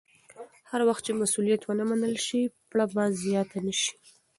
هر وخت چې مسوولیت ومنل شي، پړه به زیاته نه شي.